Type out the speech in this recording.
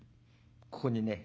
ここにね